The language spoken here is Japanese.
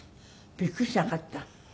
びっくりしなかった？